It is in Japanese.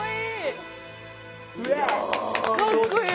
かっこいい。